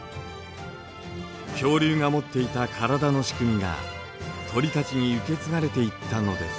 恐竜が持っていた体の仕組みが鳥たちに受け継がれていったのです。